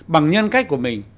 bằng nhân cách của mình